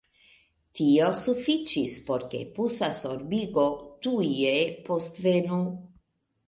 Tio sufiĉis, por ke pusa sorbigo tuje postvenu.